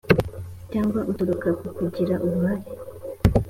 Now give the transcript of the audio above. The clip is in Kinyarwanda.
cyangwa uturuka ku kugira uruhare